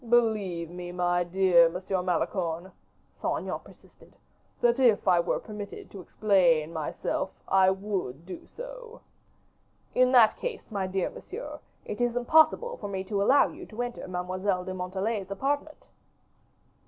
"Believe me, my dear Monsieur Malicorne," Saint Aignan persisted, "that if I were permitted to explain myself, I would do so." "In that case, my dear monsieur, it is impossible for me to allow you to enter Mademoiselle de Montalais's apartment."